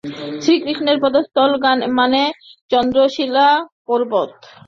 শ্রীকৃষ্ণের তপোস্থল মানে চন্দ্রশিলা পর্বত।